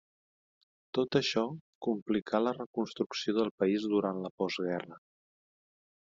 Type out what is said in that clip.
Tot això complicà la reconstrucció del país durant la postguerra.